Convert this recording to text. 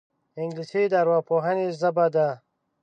انګلیسي د ارواپوهنې ژبه ده